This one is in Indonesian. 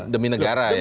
demi negara ya